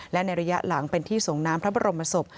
และในระยะหลังเป็นที่ส่งน้ำพระบรมศพ